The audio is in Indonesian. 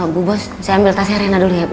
bu bos saya ambil tasnya rena dulu ya